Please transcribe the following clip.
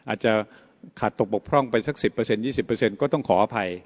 อาจจะขาดตกบกพร่องไปสัก๑๐๒๐ก็ต้องขออภัย